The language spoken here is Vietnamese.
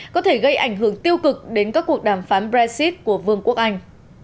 có thể gây ảnh hưởng tiêu cực đến các cuộc đàm phán brexit của vương quốc anh